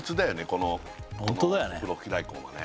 このふろふき大根はね